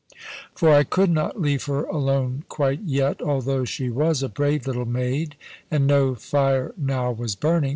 For I could not leave her alone quite yet, although she was a brave little maid, and no fire now was burning.